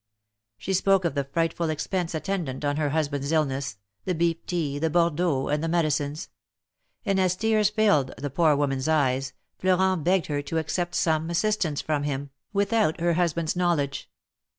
She spoke of the frightful expense attendant on her husband^s illness — the beef tea, the Bordeaux, and the medicines; and as tears filled the poor woraan' s eyes, Florent begged her to accept some assistance from him without her husband's knowledge.